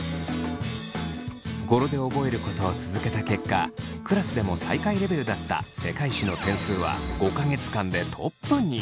語呂で覚えることを続けた結果クラスでも最下位レベルだった世界史の点数は５か月間でトップに。